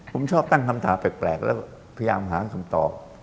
ผมชอบตั้งคำถามแปลกแล้วพยายามหาคำตอบ